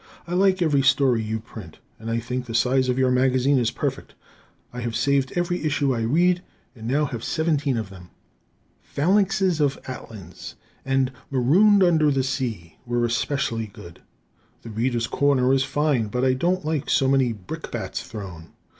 I like every story you print, and I think the size of your magazine is perfect. I have saved every issue I read, and now have seventeen of them. "Phalanxes of Atlans" and "Marooned Under the Sea" were especially good. "The Readers' Corner" is fine, but I don't like so many brickbats thrown.